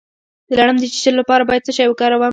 د لړم د چیچلو لپاره باید څه شی وکاروم؟